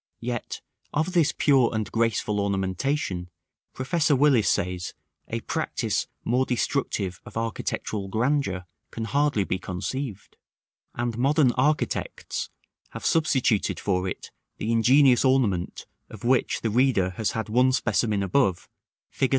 Yet, of this pure and graceful ornamentation, Professor Willis says, "a practice more destructive of architectural grandeur can hardly be conceived:" and modern architects have substituted for it the ingenious ornament of which the reader has had one specimen above, Fig.